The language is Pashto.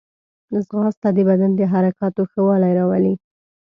ځغاسته د بدن د حرکاتو ښه والی راولي